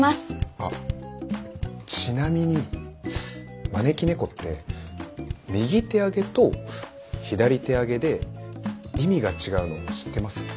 あっちなみに招き猫って右手上げと左手上げで意味が違うの知ってます？